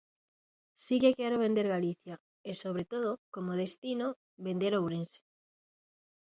Si que quero vender Galicia, e, sobre todo, como destino, vender Ourense.